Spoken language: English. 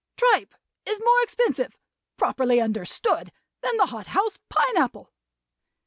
Tripe is more expensive, properly understood, than the hot house pine apple.